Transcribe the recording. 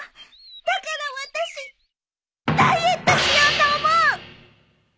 だから私ダイエットしようと思う！